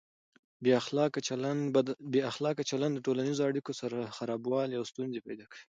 بې اخلاقه چلند د ټولنیزو اړیکو خرابوالی او ستونزې پیدا کوي.